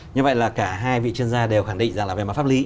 như vậy là cả hai vị chuyên gia đều khẳng định rằng là về mặt pháp lý